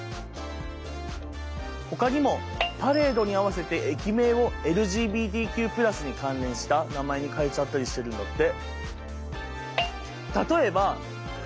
ほかにもパレードに合わせて駅名をＬＧＢＴＱ＋に関連した名前に変えちゃったりしてるんだって。